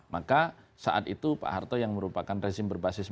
maka saat itu pak harto yang merupakan rezim berbasis